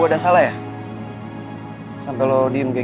berhenti sampai setiap palette aku cerahkan vanessa